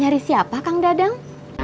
cari siapa kang dadang